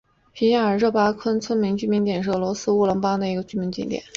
皮亚热尔卡农村居民点是俄罗斯联邦沃洛格达州巴巴耶沃区所属的一个农村居民点。